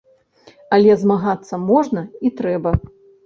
Але змагацца можна і трэба.